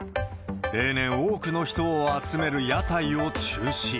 例年、多くの人を集める屋台を中止。